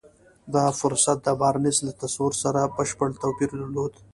دا فرصت د بارنس له تصور سره بشپړ توپير درلود.